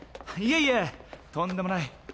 いえいえとんでもない。